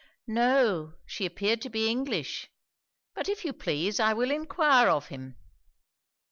'No, she appeared to be English. But if you please I will enquire of him?'